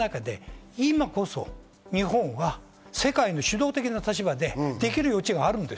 こういう中で今こそ日本は世界の主導的な立場でできる余地がある。